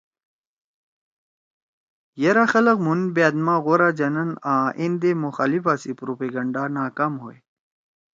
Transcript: یرأ خلگ مُھن بأت ما غورا جنین آں ایندے مخالفا سی پروپیگینڈا ناکام ہوئے۔